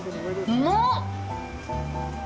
うまーっ。